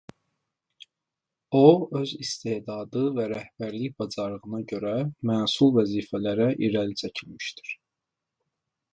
O öz istedadı və rəhbərlik bacarığına görə məsul vəzifələrə irəli çəkilmişdir.